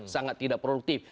sangat tidak produktif